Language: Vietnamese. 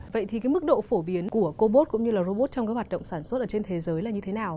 vậy thì mức độ phổ biến của cô bốt cũng như là robot trong hoạt động sản xuất trên thế giới là như thế nào